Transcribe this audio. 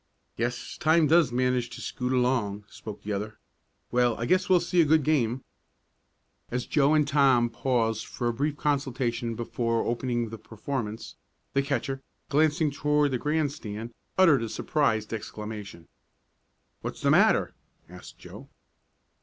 "Yes, time does manage to scoot along," spoke the other. "Well, I guess we'll see a good game." As Joe and Tom paused for a brief consultation before opening the performance, the catcher, glancing toward the grandstand, uttered a surprised exclamation. "What's the matter?" asked Joe.